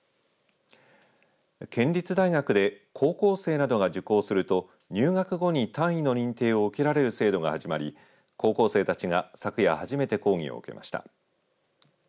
県立大学で高校生などが受講すると入学後に単位の認定を受けられる制度が始まり高校生たちが昨夜初めて講義を受けました。